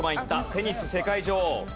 テニス世界女王。